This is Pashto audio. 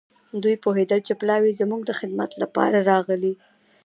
دوی پوهېدل چې پلاوی زموږ د خدمت لپاره راغلی.